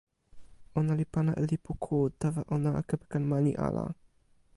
ona li pana e lipu ku tawa ona kepeken mani ala.